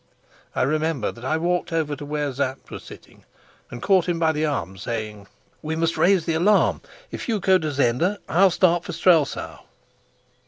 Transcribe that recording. I remember that I walked over to where Sapt was sitting, and caught him by the arm, saying: "We must raise the alarm. If you'll go to Zenda, I'll start for Strelsau."